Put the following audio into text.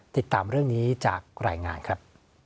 ติดตามเรื่องนี้จากรายงานครับ